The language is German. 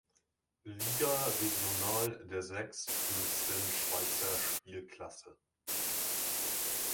Liga regional, der sechsthöchsten Schweizer Spielklasse.